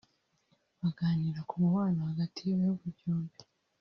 baganira ku mubano hagati y’ibihugu byombi